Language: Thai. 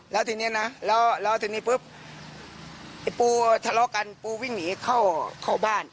แล้วทีนี้นะแล้วทีนี้ปุ๊บไอ้ปูทะเลาะกันปูวิ่งหนีเข้าบ้าน